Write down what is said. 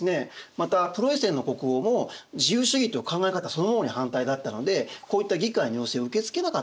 またプロイセンの国王も自由主義という考え方そのものに反対だったのでこういった議会の要請を受け付けなかったんですね。